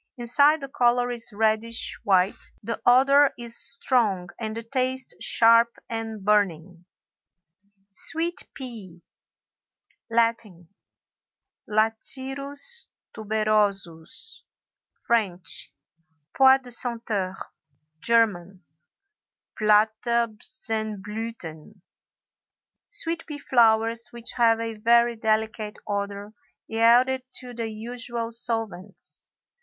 Inside the color is reddish white. The odor is strong and the taste sharp and burning. SWEET PEA. Latin—Lathyrus tuberosus; French—Pois de senteur; German—Platterbsenblüthen. Sweet pea flowers, which have a very delicate odor, yield it to the usual solvents.